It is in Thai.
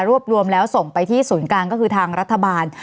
รวมแล้วส่งไปที่ศูนย์กลางก็คือทางรัฐบาล